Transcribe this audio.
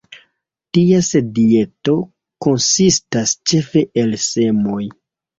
Ties dieto konsistas ĉefe el semoj.